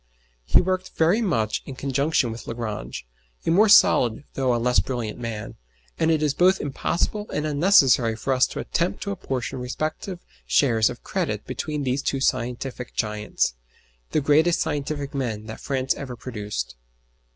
He worked very much in conjunction with Lagrange, a more solid though a less brilliant man, and it is both impossible and unnecessary for us to attempt to apportion respective shares of credit between these two scientific giants, the greatest scientific men that France ever produced.